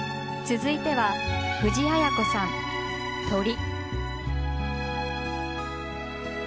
続いては藤あや子さん「鳥」。